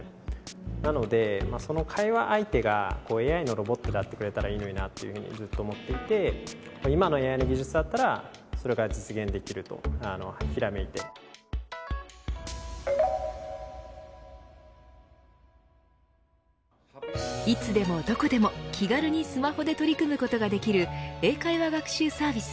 なのでその会話相手がＡＩ相手だったらいいのになとずっと思っていて今のＡＩの技術だったらそれが実現できるといつでもどこでも気軽にスマホで取り組むことができる英会話学習サービス